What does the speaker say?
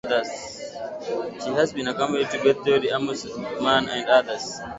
She has been compared to Beth Orton, Tori Amos, Aimee Mann, and others.